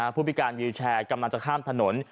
ผู้พิการวิวแชร์กำลังจะข้ามถนน